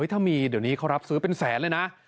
ถ้ามีเดี๋ยวนี้เขารับซื้อเป็นแสนเลยนะ